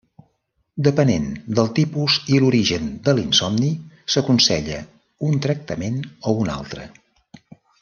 Depenent del tipus i l'origen de l'insomni, s'aconsella un tractament o un altre.